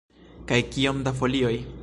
Kaj kiom da folioj?